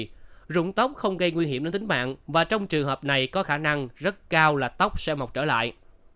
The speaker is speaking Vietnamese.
vì rụng tóc không gây nguy hiểm đến tính mạng và trong trường hợp này có khả năng rất cao là tóc sẽ mọc trở lại